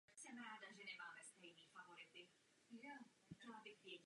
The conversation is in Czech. Učitelské noviny.